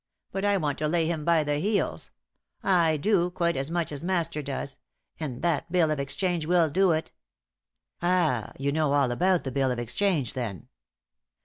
But I want to lay him by the heels. I do, quite as much as master does; and that bill of exchange will do it. "Ah! you know all about the bill of exchange, then?"